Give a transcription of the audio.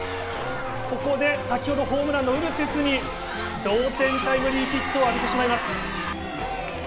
ここで先ほどホームランのウルテスに同点タイムリーヒットを浴びてしまいます。